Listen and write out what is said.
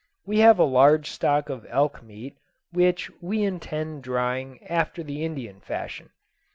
We have a large stock of elk meat, which we intend drying after the Indian fashion.